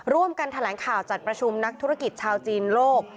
ร่วมกันแถลงข่าวจัดประชุมนักธุรกิจชาวจีนโลก